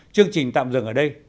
chương trình tạm dừng ở đây